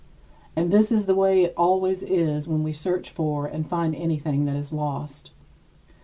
And this is the way it always is when we search for and find anything that is lost.